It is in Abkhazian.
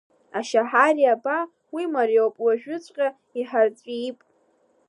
Ашьаҳариа-ба, уи мариоуп, уажәыҵәҟьа иҳарҵәиип.